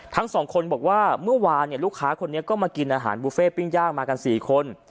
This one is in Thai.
ทั้งสองคนบอกว่าเมื่อวานลูกค้าคนนี้ก็มากินอาหารบุฟเฟ่ปิ้งย่างมากัน๔คน